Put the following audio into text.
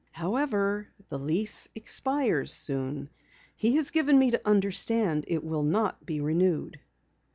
However, the lease expires soon. He has given me to understand it will not be renewed."